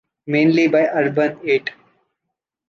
Mainly by Urban VIII.